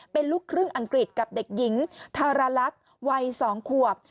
เป็นลูกครึ่งอังกฤษกับเด็กหญิงธารลักษณ์วัย๒ขวบ